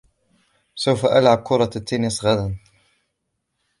سوف العب كرة التنس غدا.